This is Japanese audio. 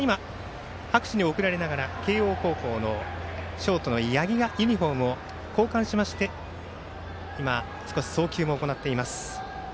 拍手で送られながら今、慶応高校のショートの八木がユニフォームを交換しまして今、少し送球も行っています。